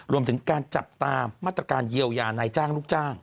รวมถึงการจับตามมาตรการเยียวยานายจ้างลูกจ้าง